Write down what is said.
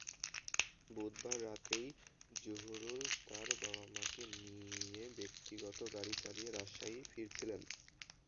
বুধবার রাতেই জহুরুল তাঁর বাবা-মাকে নিয়ে ব্যক্তিগত গাড়ি চালিয়ে রাজশাহী ফিরছিলেন।